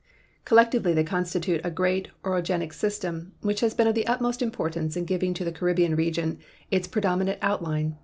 Collectively they constitute a great orogenic system which has been of the utmost importance in giving to the Caribbean region its predominant outline.